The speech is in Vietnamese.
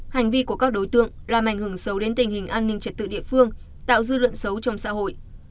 hành vi của các đối tượng làm ảnh hưởng sâu đến tình hình an ninh trật tự địa phương tạo dư luận xấu trong xã hội